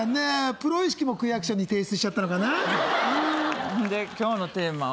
プロ意識も区役所に提出しちゃったのかなで今日のテーマは？